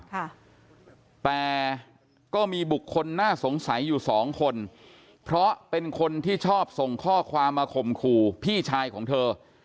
ค่ะแต่ก็มีบุคคลน่าสงสัยอยู่สองคนเพราะเป็นคนที่ชอบส่งข้อความมาข่มขู่พี่ชายของเธอ